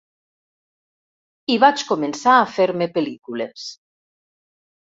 I vaig començar a fer-me pel·lícules.